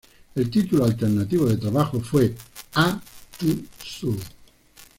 El título alternativo de trabajo fue "A to Zoo".